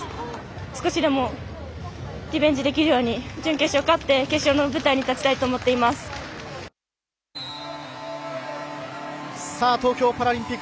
少しでもリベンジできるように準決勝で勝って決勝の舞台にさあ、東京パラリンピック